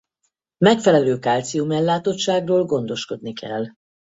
Megfelelő kalcium ellátottságról gondoskodni kell.